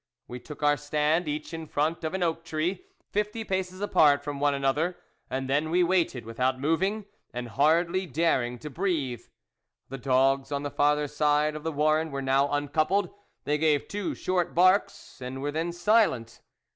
We took our stand, each in front of an oak tree, fifty paces apart from one another, and then we waited, without moving, and hardly daring to breathe. The dogs on the farther side of the warren were now uncoupled ; they gave two short barks, and were then silent.